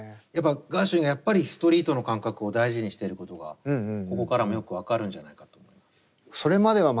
ガーシュウィンがやっぱりストリートの感覚を大事にしてることがここからもよく分かるんじゃないかと思います。